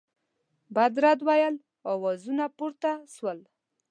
بد رد ویلو آوازونه پورته سول.